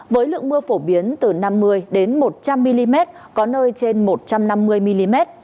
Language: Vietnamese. với lượng mưa phổ biến từ năm mươi một trăm linh mm có nơi trên một trăm năm mươi mm